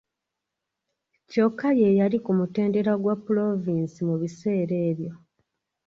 Yokka ye yali ku mutendera gwa pulovinsi mu biseera ebyo.